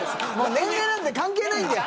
年齢なんて関係ないんだよ。